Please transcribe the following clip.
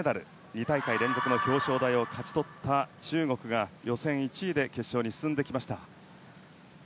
２大会連続の表彰台を勝ち取った中国が予選１位で決勝に進んできました。